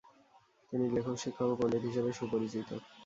তিনি লেখক, শিক্ষক, ও পণ্ডিত হিসেবে সুপরিচিত।